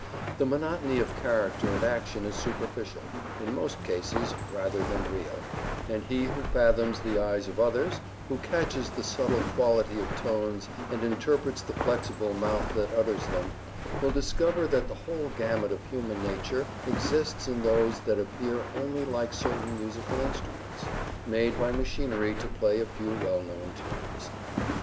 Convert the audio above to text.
The monotony of character and action is superficial, in most cases, rather than real, and he who fathoms the eyes of others, who catches the subtle quality of tones and interprets the flexible mouth that utters them, will discover that the whole gamut of human nature exists in those that appear only like certain musical instruments, made by machinery to play a few well known tunes.